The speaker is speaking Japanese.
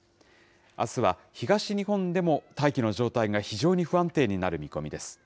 あすは東日本でも大気の状態が非常に不安定になる見込みです。